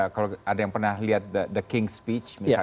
kalau ada yang pernah lihat the king's speech misalnya